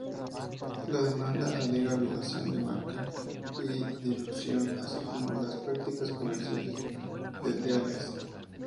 La demanda alega violación de marca y dilución, así como las prácticas comerciales desleales.